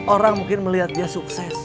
orang mungkin melihat dia sukses